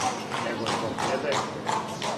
Него због тебе.